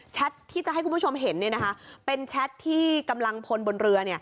ที่จะให้คุณผู้ชมเห็นเป็นแชทที่กำลังพลบนเรือ